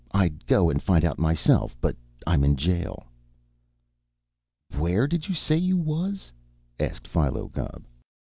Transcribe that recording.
I'd go and find out myself, but I'm in jail." "Where did you say you was?" asked Philo Gubb.